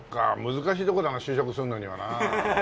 難しいところだな就職するのにはなあ。